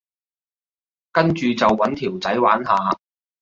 跟住就搵條仔玩下